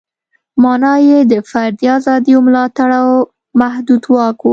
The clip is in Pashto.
معنا یې د فردي ازادیو ملاتړ او محدود واک و.